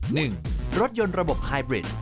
หนึ่งรถยนต์ระบบไฮเบรด